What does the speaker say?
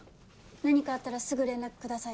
何かあったらすぐ連絡ください。